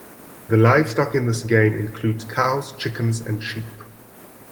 The livestock in this game includes cows, chickens, and sheep.